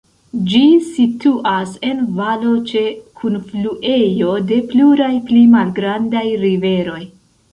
Ĝi situas en valo ĉe kunfluejo de pluraj pli malgrandaj riveroj.